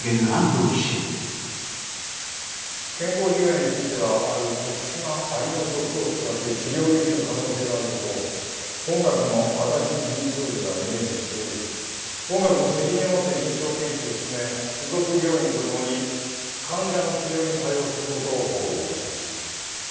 健康被害についてはある特殊なアリの毒を使って治療できる可能性があることを本学の足立准教授が明示しており本学も責任を持って臨床研究を進め附属病院と共に患者の治療に対応することを報告いたします。